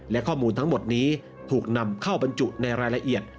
และข้อมูลทั้งหมดนี้ถูกนำเข้าบรรจุในรายละเอียด